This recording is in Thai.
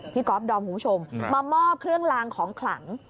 ก๊อฟดอมคุณผู้ชมมามอบเครื่องลางของขลัง